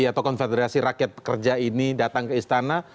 atau konfederasi rakyat pekerja ini datang ke istana